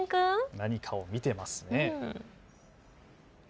何かを見ていますね。